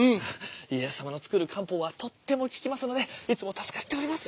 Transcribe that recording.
家康様の作る漢方はとっても効きますのでいつも助かっております。